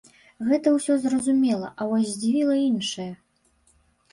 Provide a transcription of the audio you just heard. Гэта ўсё зразумела, а вось здзівіла іншае.